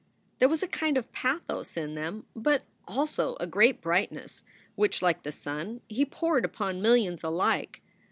There was a kind of pathos in them, but also a great brightness, which, like the sun, he poured upon millions alike.